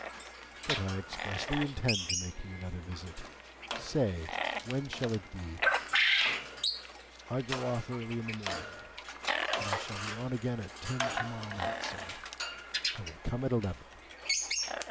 "But I expressly intend to make you another visit. Say, when shall it be?" "I go off early in the morning, and I shall be on again at ten to morrow night, sir." "I will come at eleven."